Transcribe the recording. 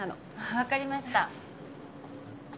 わかりました。